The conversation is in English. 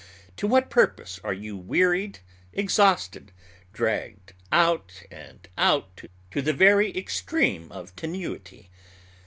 To what purpose are you wearied, exhausted, dragged out and out to the very extreme of tenuity?